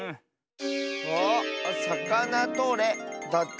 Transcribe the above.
あっ「さかなとれ」だって。